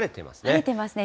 晴れてますね。